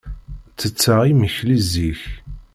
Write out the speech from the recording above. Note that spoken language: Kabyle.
Ttetteɣ imekli zik.